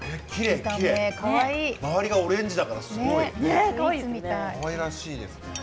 周りがオレンジだからかわいらしいですね。